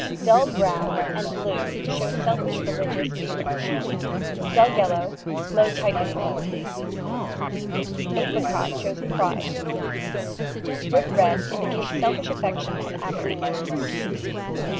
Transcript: Dull Brown and blue show selfish religious feeling; dull yellow, low type intellect; Apricot shows pride ; Brick Red indicates selfish aiFection and avarice.